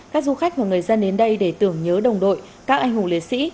các du khách và người dân đến đây để tưởng nhớ đồng đội các anh hùng liệt sĩ